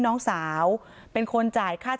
ต่างฝั่งในบอสคนขีดบิ๊กไบท์